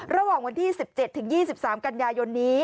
ระหว่างวันที่๑๗ถึง๒๓กันยายนนี้